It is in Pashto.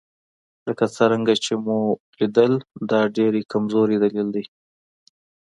لکه څرنګه چې ومو لیدل دا ډېر کمزوری دلیل دی.